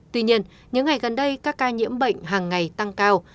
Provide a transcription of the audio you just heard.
tuy nhiên những ngày gần đây các ca nhiễm bệnh hàng ngày tăng cao